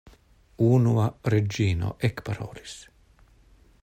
Unua Reĝino ekparolis.